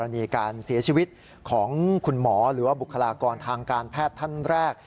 อันนี้การเสียชีวิตของคุณหมอหรือว่าบุคลากรทางการแพทย์ท่านแรก